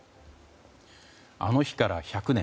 あの日から１００年。